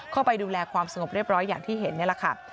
เข้าไปดูแลความสงบเรียบร้อยอย่างที่เห็นนี่แหละค่ะ